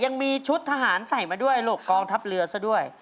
ยังมีชุดทหารใส่มาด้วยลูกกองทัพเรือซะด้วย